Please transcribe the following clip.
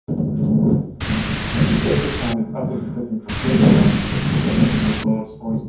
Chestertown is also the setting for Gilbert Byron's book "The Lord's Oysters".